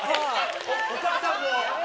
お母さんも。